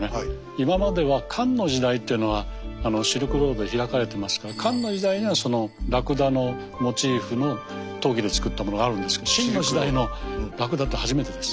今までは漢の時代っていうのはシルクロード開かれてますから漢の時代にはラクダのモチーフの陶器でつくったものがあるんですけど秦の時代のラクダって初めてです。